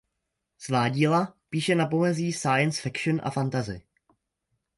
Svá díla píše na pomezí science fiction a fantasy.